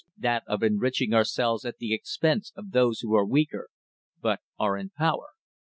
that of enriching ourselves at the expense of those who are weaker, but are in power.